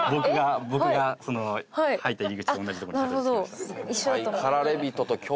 僕が入った入り口と同じところにたどり着きました。